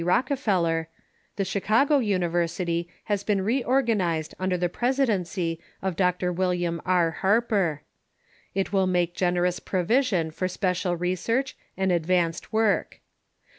Rockefeller, the Chicago University has been reorgan ized under the presidency of Dr. William R. Harper. It will make generous provision for special research and advanced work.